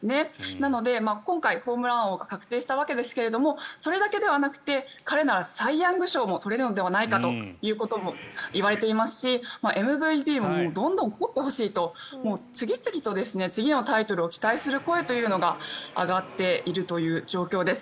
なので、今回、ホームラン王が確定したわけですがそれだけではなくて彼ならサイ・ヤング賞も取れるのではないかということもいわれていますしＭＶＰもどんどん取ってほしいと次々と次のタイトルを期待する声というのが上がっているという状況です。